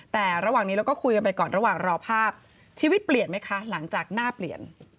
แต่ระหว่างรอภาพชีวิตเปลี่ยนไหมคะหลังจากหน้าเปลี่ยน